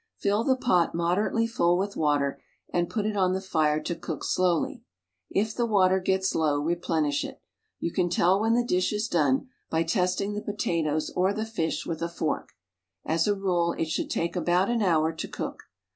Fill the pot mod erately full with water and put it on the fire to cook slowly. If the water gets low replenish it. You can tell when the dish is done by testing the potatoes or the fish with a fork. As a rule it should take about an hour to cook.